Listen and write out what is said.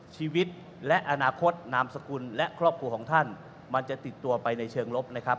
ชีวิตและอนาคตนามสกุลและครอบครัวของท่านมันจะติดตัวไปในเชิงลบนะครับ